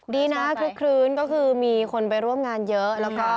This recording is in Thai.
ดีนะคลุกคลื้นก็คือมีคนไปร่วมงานเยอะแล้วก็